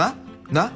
なっ？